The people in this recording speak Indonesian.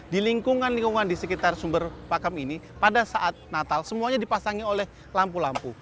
di lingkungan lingkungan di sekitar sumber pakem ini pada saat natal semuanya dipasangi oleh lampu lampu